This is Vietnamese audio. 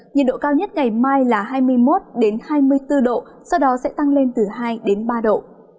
nhiệt độ cao nhất ngày mai là hai mươi một hai mươi bốn độ sau đó sẽ tăng lên từ hai đến ba độ